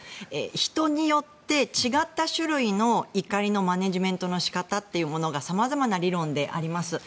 人によって違った種類の怒りのマネジメントの仕方というものが様々な理論であります。